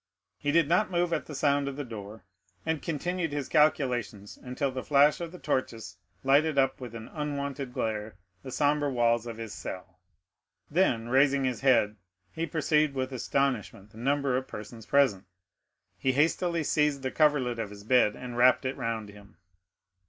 He did not move at the sound of the door, and continued his calculations until the flash of the torches lighted up with an unwonted glare the sombre walls of his cell; then, raising his head, he perceived with astonishment the number of persons present. He hastily seized the coverlet of his bed, and wrapped it round him.